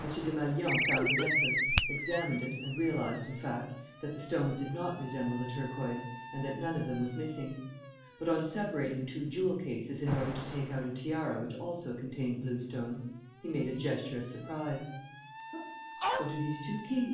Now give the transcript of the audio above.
Desmalions found the necklace, examined it, and realized, in fact, that the stones did not resemble the turquoise and that none of them was missing. But, on separating two jewel cases in order to take out a tiara which also contained blue stones, he made a gesture of surprise. "What are these two keys?"